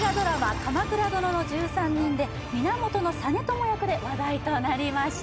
「鎌倉殿の１３人」で源実朝役で話題となりました